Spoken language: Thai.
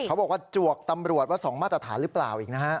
เขาบอกว่าจวกตำรวจว่า๒มาตรฐานหรือเปล่าอีกนะฮะ